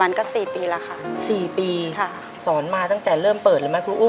ในแคมเปญพิเศษเกมต่อชีวิตโรงเรียนของหนู